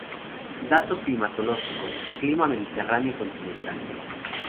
Datos climatológicos: Clima mediterráneo continental.